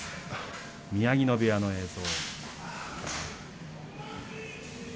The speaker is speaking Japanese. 宮城野部屋の映像。